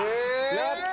やった。